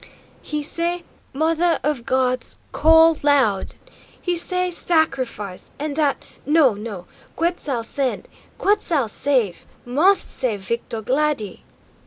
"He say Mother of Gods call loud! He say sacrifice, and dat no, no! Quetzal' send Quetzal' save MUST save Victo, Glady!"